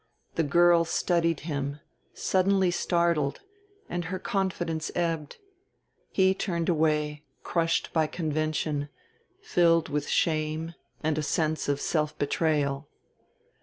The girl studied him, suddenly startled, and her confidence ebbed. He turned away, crushed by convention, filled with shame and a sense of self betrayal.